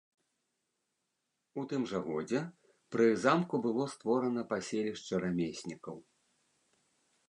У тым жа годзе пры замку было створана паселішча рамеснікаў.